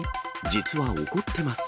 実は怒ってます。